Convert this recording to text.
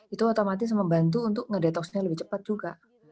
itu otomatis membantu untuk ngedetoksnya lebih cepat juga